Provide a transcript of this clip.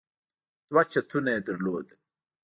دوه چتونه يې لرل.